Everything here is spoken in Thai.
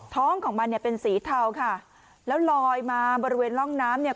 ท้องของมันเนี่ยเป็นสีเทาค่ะแล้วลอยมาบริเวณร่องน้ำเนี่ย